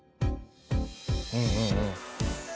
うんうんうん。